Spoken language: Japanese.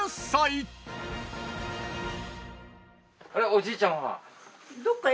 あれおじいちゃんは？